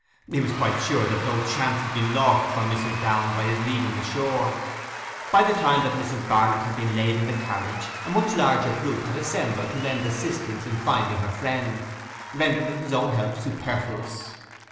He was quite sure that no chance had been lost for Mrs. Downe by his leaving the shore. By the time that Mrs. Barnet had been laid in the carriage, a much larger group had assembled to lend assistance in finding her friend, rendering his own help superfluous.